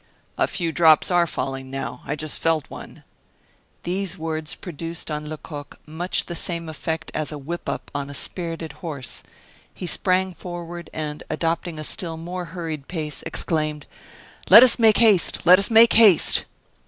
"A few drops are falling now; I just felt one." These words produced on Lecoq much the same effect as a whip up on a spirited horse. He sprang forward, and, adopting a still more hurried pace, exclaimed: "Let us make haste! let us make haste!"